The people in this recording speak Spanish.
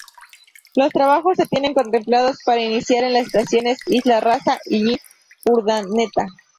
Los trabajos se tienen contemplados para iniciar en las estaciones Isla Raza y Urdaneta.